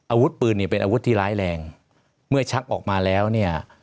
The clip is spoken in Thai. อาวุธปืนเนี่ยเป็นอาวุธที่ร้ายแรงเมื่อชักออกมาแล้วเนี่ย